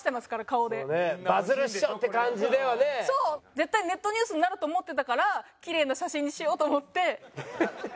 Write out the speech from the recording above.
絶対ネットニュースになると思ってたからきれいな写真にしようと思ってめちゃめちゃ。